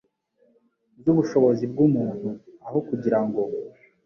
zu bushobozi bw’umuntu. Aho kugira ngo